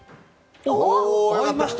合いました。